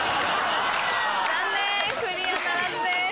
残念クリアならずです。